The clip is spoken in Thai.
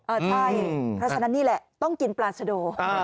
ใช่เพราะฉะนั้นนี่แหละต้องกินปลาสโด